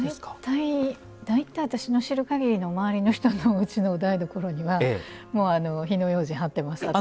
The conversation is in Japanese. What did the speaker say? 大体、私の知る限りの周りの人たちのお台所にはお台所には火の用心、貼ってます。